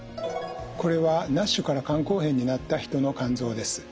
これはＮＡＳＨから肝硬変になった人の肝臓です。